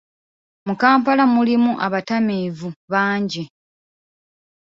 Mu Kampala mulimu abatamiivu bangi.